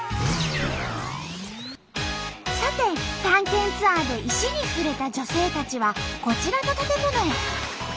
さて探検ツアーで石に触れた女性たちはこちらの建物へ。